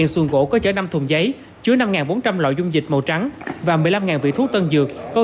một xuồng gỗ có chở năm thùng giấy chứa năm bốn trăm linh loại dung dịch màu trắng và một mươi năm vị thuốc tân dược có